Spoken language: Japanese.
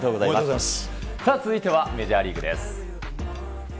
さあ、続いてはメジャーリーグです。